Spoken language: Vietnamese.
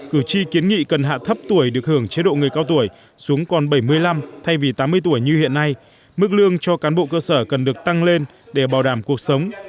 cử tri kiến nghị cần hạ thấp tuổi được hưởng chế độ người cao tuổi xuống còn bảy mươi năm thay vì tám mươi tuổi như hiện nay mức lương cho cán bộ cơ sở cần được tăng lên để bảo đảm cuộc sống